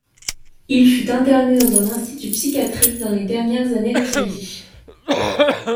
Il fut interné dans un institut psychiatrique dans les dernières années de sa vie.